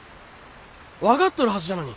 分かっとるはずじゃのに。